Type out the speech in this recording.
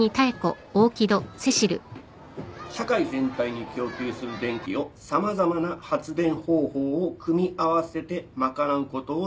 社会全体に供給する電気を様々な発電方法を組み合わせて賄うことを何と言う？